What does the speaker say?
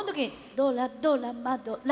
「ドラドラマドラ！